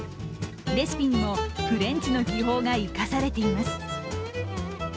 レシピにもフレンチの技法が生かされています。